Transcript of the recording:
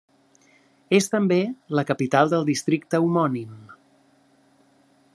És també la capital del districte homònim.